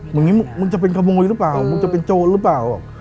มันจะเป็นขโมยหรือเปล่ามันจะเป็นโจรหรือเปล่า